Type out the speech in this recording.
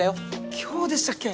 今日でしたっけ？